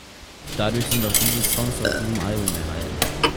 Dadurch sind auch diese Songs auf diesem Album erhalten.